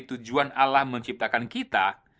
tujuan allah menciptakan kita